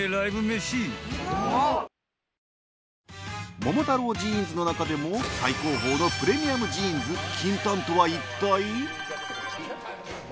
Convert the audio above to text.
桃太郎ジーンズの中でも最高峰のプレミアムジーンズ金丹とは一体？